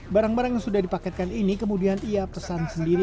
barang barang yang sudah dipaketkan ini kemudian ia pesan sendiri